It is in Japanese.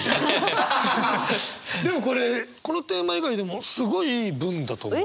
でもこれこのテーマ以外でもすごいいい文だと思う。